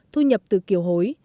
thu nhập từ kiều hối